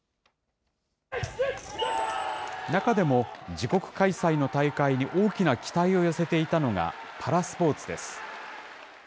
中でも、自国開催の大会に大きな期待を寄せていたのがパラスポーツです。